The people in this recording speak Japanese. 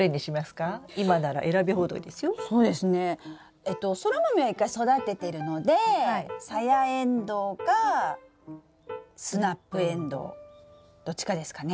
えとソラマメは一回育ててるのでサヤエンドウかスナップエンドウどっちかですかね。